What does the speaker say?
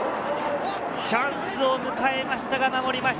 チャンスを迎えましたが、守りました。